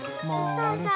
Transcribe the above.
そうそう。